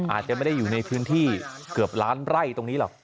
อาจจะไม่ได้อยู่ในพื้นที่เกือบล้านไร่ตรงนี้หรอก